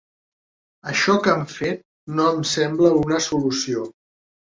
Això que han fet no em sembla una solució.